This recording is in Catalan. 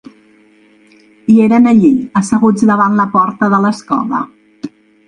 I eren allí, asseguts davant la porta de l’escola.